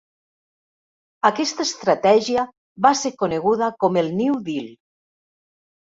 Aquesta estratègia va ser coneguda com el "New Deal".